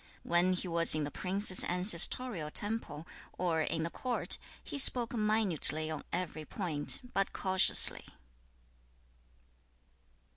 2. When he was in the prince's ancestorial temple, or in the court, he spoke minutely on every point, but cautiously.